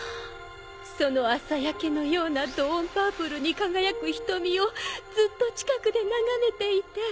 その朝焼けのようなドーン・パープルに輝く瞳をずっと近くで眺めていたい。